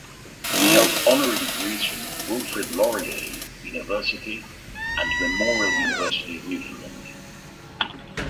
He held honorary degrees from Wilfrid Laurier University and Memorial University of Newfoundland.